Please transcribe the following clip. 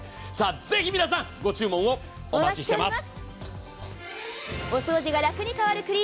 ぜひ皆さん、ご注文をお待ちしております。